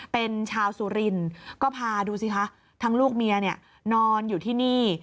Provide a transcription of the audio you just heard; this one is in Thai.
เป็นชาวสุรินทร์ก็พาดูสิคะทั้งลูกเมียนอนอยู่ที่นี่